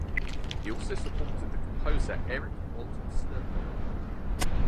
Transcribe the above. He also supported the composer Erich Walter Sternberg.